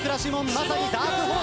まさにダークホース。